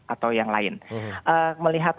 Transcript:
atau yang lain melihat